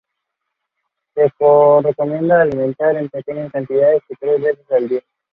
Se recomienda alimentar en pequeñas cantidades y tres veces al día.